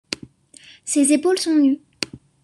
Ses épaules sont nues.